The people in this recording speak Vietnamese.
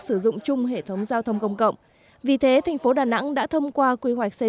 sử dụng chung hệ thống giao thông công cộng vì thế thành phố đà nẵng đã thông qua quy hoạch xây